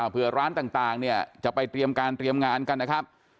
เพื่อร้านต่างเนี่ยจะไปเตรียมการเตรียมงานกันนะครับ